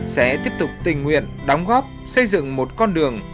sẽ tiếp tục tình nguyện đóng góp xây dựng một con đường